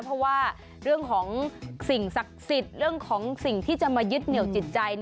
เพราะว่าเรื่องของสิ่งศักดิ์สิทธิ์เรื่องของสิ่งที่จะมายึดเหนียวจิตใจ